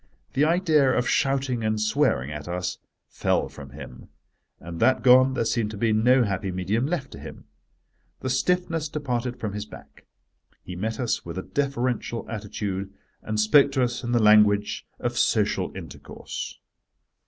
The idea of shouting and swearing at us fell from him: and that gone there seemed to be no happy medium left to him. The stiffness departed from his back. He met us with a defferential attitude, and spoke to us in the language of social intercourse.